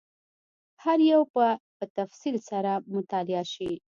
هر یو به په تفصیل سره مطالعه شي.